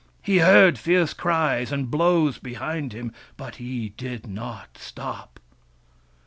He heard fierce cries and blows behind him, but he did not stop.